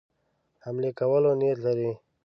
حملې کولو نیت لري.